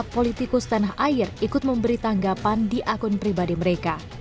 politikus tanah air ikut memberi tanggapan di akun pribadi mereka